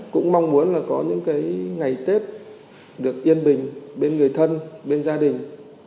cũng mong muốn là có những cái ngày tết được yên bình bên người thân bên gia đình